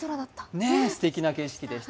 すてきな景色でした。